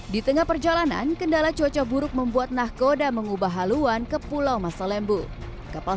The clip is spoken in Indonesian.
di tengah perjalanan kendala cuaca buruk membuat nahkoda mengubah haluan ke pulau masalembu kapal